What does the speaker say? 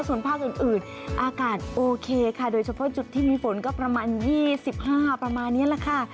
ส่วนภาคอื่นอากาศโอเคค่ะโดยเฉพาะจุดที่มีฝนก็ประมาณ๒๕องศาเซลเซียสขึ้นไปประมาณนี้แหละค่ะ